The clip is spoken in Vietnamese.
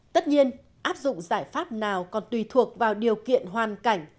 tất nhiên áp dụng giải pháp nào còn tùy thuộc vào điều kiện hoàn cảnh